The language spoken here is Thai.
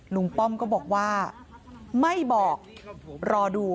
ป้อมก็บอกว่าไม่บอกรอดู